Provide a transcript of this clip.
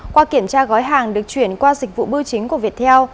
qua kiểm tra gói hàng được chuyển qua dịch vụ bưu chính của viettel